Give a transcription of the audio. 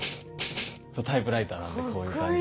そうタイプライターなんでこういう感じで。